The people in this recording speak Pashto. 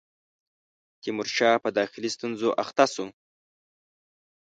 تیمورشاه په داخلي ستونزو اخته شو.